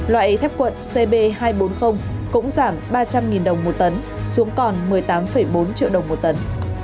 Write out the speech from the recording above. loại thép cuộn cb hai trăm bốn mươi cũng giảm ba trăm linh đồng một tấn xuống còn một mươi tám bốn triệu đồng một tấn